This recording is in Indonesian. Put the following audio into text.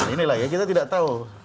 ini lah ya kita tidak tahu